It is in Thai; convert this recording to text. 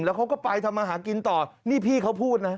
แล้วเขาก็ไปทำมาหากินต่อนี่พี่เขาพูดนะ